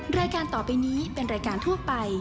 รายการต่อไปนี้เป็นรายการทั่วไป